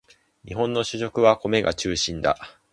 日本の主食は米が中心だ